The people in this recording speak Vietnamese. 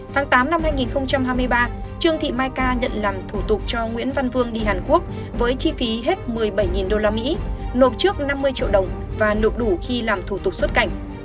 tháng tám năm hai nghìn hai mươi ba trương thị mai ca nhận làm thủ tục cho nguyễn văn vương đi hàn quốc với chi phí hết một mươi bảy usd nộp trước năm mươi triệu đồng và nộp đủ khi làm thủ tục xuất cảnh